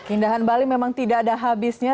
indahan bali memang tidak ada habisnya